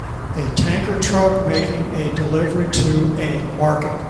A tanker truck making a delivery to a market